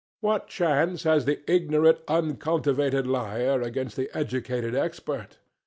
What chance has the ignorant uncultivated liar against the educated expert?